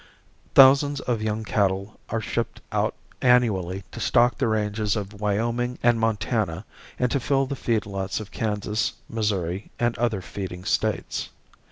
Thousands of young cattle are shipped out annually to stock the ranges of Wyoming and Montana and to fill the feed lots of Kansas, Missouri and other feeding states.